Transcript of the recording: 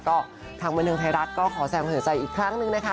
ก็ทางบันทึงไทยรัฐก็ขอแสงเผื่อใจอีกครั้งนึงนะคะ